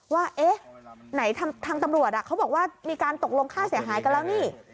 ว่าเอ๊ะไหนทางตำรวจเขาบอกว่ามีการตกลงค่าเสียหายกันแล้วนี่